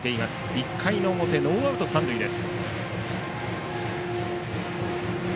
１回の表ノーアウト、三塁です。